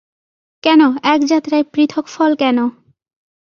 কেন, এক যাত্রায় পৃথক ফল কেন?